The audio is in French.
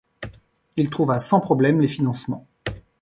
Il trouva sans problème les financements.